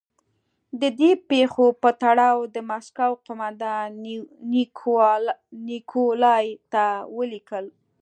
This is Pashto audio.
د دې پېښو په تړاو د مسکو قومندان نیکولای ته ولیکل.